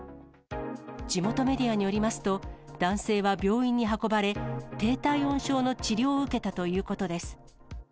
地元メディアによりますと、男性は病院に運ばれ、低体温症の治療を受けたということです。